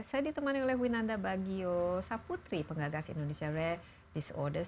saya ditemani oleh winanda bagio saputri pengagas indonesia rare disorders